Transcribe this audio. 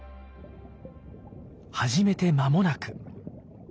始めて間もなく。